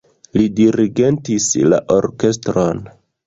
Li dirigentis la orkestron.